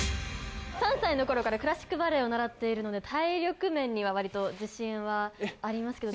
３歳の頃からクラシックバレエを習っているので体力面にはわりと自信はありますけど。